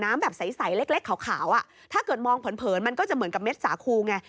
มันก็จะเหมือนกับเม็ดสาคูไง